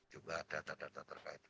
juga ada data data terkait